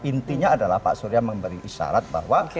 intinya adalah pak surya memberi isyarat bahwa